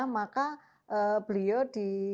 maka beliau di